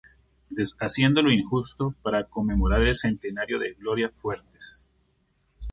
Deshaciendo lo injusto," para conmemorar el centenario de Gloria Fuertes.